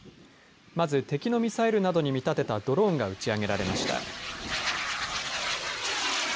まず敵のミサイルなどに見立てたドローンが打ち上げられました。